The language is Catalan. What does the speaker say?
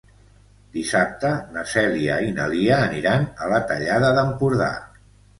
Dissabte na Cèlia i na Lia aniran a la Tallada d'Empordà.